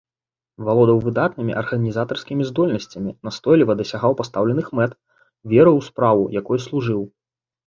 Валодаў выдатнымі арганізатарскімі здольнасцямі, настойліва дасягаў пастаўленых мэт, верыў у справу, якой служыў.